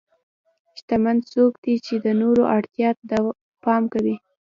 شتمن څوک دی چې د نورو اړتیا ته پام کوي.